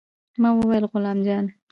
ما وويل غلام جان.